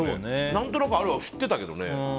何となくあるのは知ってたけどね。